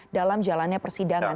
dalam jalannya persidangan